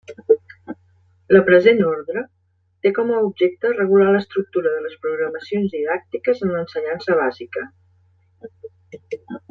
La present orde té com a objecte regular l'estructura de les programacions didàctiques en l'ensenyança bàsica.